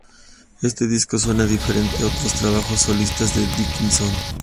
Este disco suena diferente a otros trabajos solistas de Dickinson.